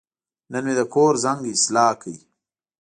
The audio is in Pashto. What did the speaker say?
نن مې د کور زنګ اصلاح کړ.